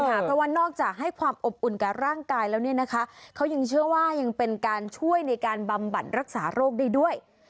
เพราะว่านอกจากให้ความอบอุ่นกับร่างกายแล้วเนี่ยนะคะเขายังเชื่อว่ายังเป็นการช่วยในการบำบัดรักษาโรคได้ด้วย